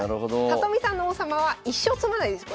里見さんの王様は一生詰まないです